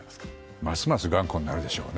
ますます頑固になるでしょうね。